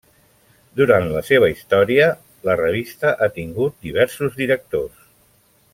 Durant la seva història la revista ha tingut diversos directors.